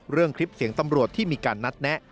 เรื่องคลิปเสียงตำรวจที่มีการนัดแนะ